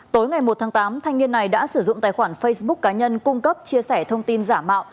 tối ngày một tháng tám thanh niên này đã sử dụng tài khoản facebook cá nhân cung cấp chia sẻ thông tin giả mạo